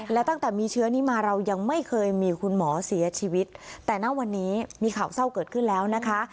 และตั้งแต่มีเชื้อนี้มาเรายังไม่เคยมีคุณหมอเสียชีวิตแต่ณวันนี้มีข่าวเศร้าเกิดขึ้นแล้วนะคะ